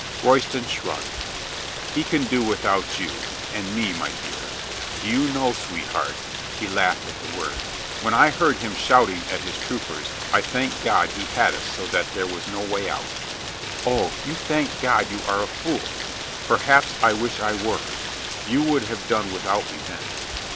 Royston shrugged. "He can do without you. And me, my dear. Do you know, sweetheart" — he laughed on the word — "when I heard him shouting to his troopers I thanked God he had us so that there was no way out," "O, you thank God you are a fool." "Perhaps I wish I were. You would have done without me then."